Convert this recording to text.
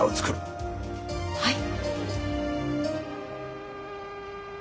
はい。